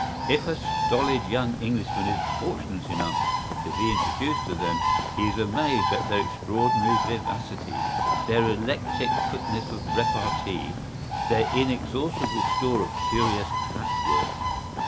¬Ý If a stolid young Englishman is fortunate enough to be introduced to them he is amazed at their extraordinary vivacity, their electric quickness of repartee, their inexhaustible store of curious catchwords.